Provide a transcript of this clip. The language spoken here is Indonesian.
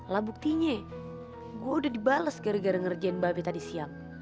lah buktinya gue udah dibales gara gara ngerjain bape tadi siang